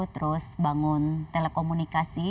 terus bangun telekomunikasi